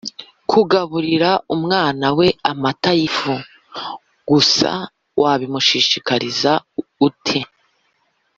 kugaburira umwana we amata y’ ifu gusa wabimushishikariza ute?